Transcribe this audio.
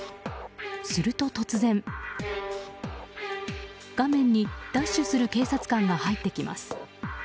すると突然、画面にダッシュする警察官が入ってきます。